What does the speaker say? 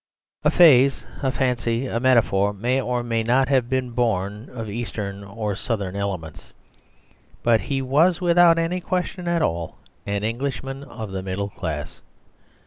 A phase, a fancy, a metaphor may or may not have been born of eastern or southern elements, but he was, without any question at all, an Englishman of the middle class.